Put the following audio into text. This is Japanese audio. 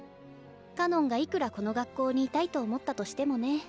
かのんがいくらこの学校にいたいと思ったとしてもね。